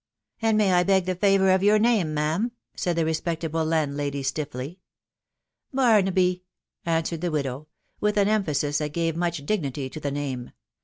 " And may I beg the favour of your name, ma'am ?" said the respectable landlady, stiffly. " Barnaby !" answered the widow, with an emphasis that gave much dignity to the name.